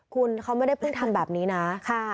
คุณเขาไม่ได้เพิ่งทำแบบนี้นะ